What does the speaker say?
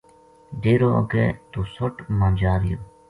ڈیرو اگے دوسُٹ ما جا رہیو